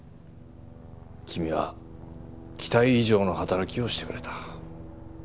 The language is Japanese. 君は期待以上の働きをしてくれた。